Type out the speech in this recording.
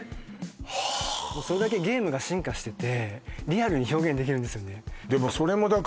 それだけゲームが進化しててリアルに表現できるんですよね